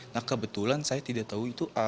nah kebetulan saya tidak tahu itu a